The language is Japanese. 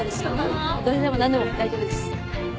どれでも何でも大丈夫です。